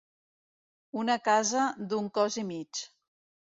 Una casa d'un cos i mig.